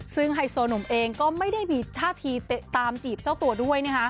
ซึ่งไฮโซหนุ่มเองก็ไม่ได้มีท่าทีตามจีบเจ้าตัวด้วย